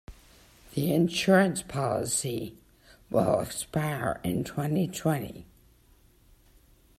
The insurance policy will expire in twenty-twenty.